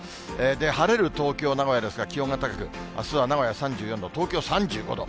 晴れる東京、名古屋ですが気温が高く、あすは名古屋３４度、東京３５度。